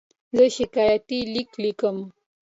زه شکایتي لیک لیکم.